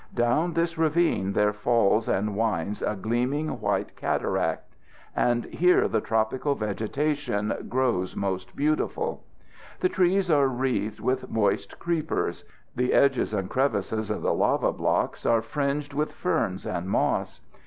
Down this ravine there falls and winds a gleaming white cataract, and here the tropical vegetation grows most beautiful. The trees are wreathed with moist creepers; the edges and crevices of the lava blocks are fringed with ferns and moss.